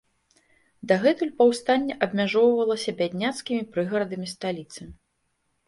Дагэтуль паўстанне абмяжоўвалася бядняцкімі прыгарадамі сталіцы.